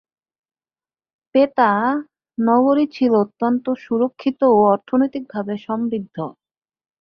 Petra নগরী ছিল অত্যন্ত সুরক্ষিত ও অর্থনৈতিকভাবে সমৃদ্ধ।